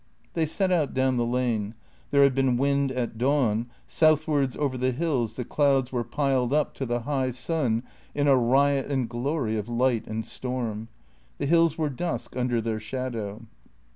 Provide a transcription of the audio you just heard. They set out down the lane. There had been wind at dawn. Southwards, over the hills, the clouds were piled up to the high sun in a riot and glory of light and storm. The hills were dusk under their shadow.